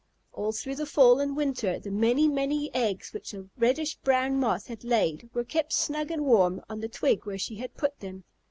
All through the fall and winter the many, many eggs which the reddish brown Moth had laid were kept snug and warm on the twig where she had put them.